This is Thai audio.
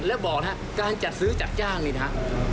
แล้วบอกนะครับการจัดซื้อจัดจ้างนี่นะฮะ